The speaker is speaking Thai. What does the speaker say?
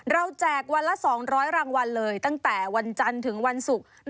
แจกวันละ๒๐๐รางวัลเลยตั้งแต่วันจันทร์ถึงวันศุกร์